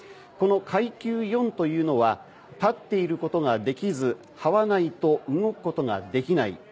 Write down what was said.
この階級４というのは立っていることができずはわないと動くことができない。